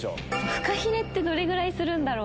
フカヒレどれぐらいするんだろ？